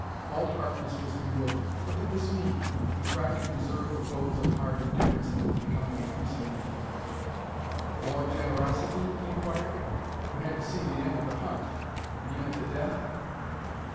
Walt Harkness was bewildered. What did this mean? He tried to preserve the pose of hard indifference that was becoming increasingly difficult. "More generosity?" he inquired. "You had to see the end of the hunt be in at the death?"